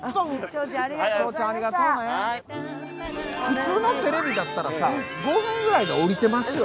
普通のテレビだったらさ５分ぐらいで降りてますよ。